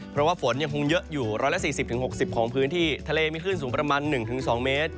เพราะว่าฝนยังคงเยอะอยู่๑๔๐๖๐ของพื้นที่ทะเลมีคลื่นสูงประมาณ๑๒เมตร